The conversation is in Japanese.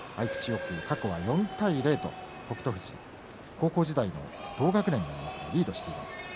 よく過去は４対０と北勝富士高校時代の同学年ですがリードしています。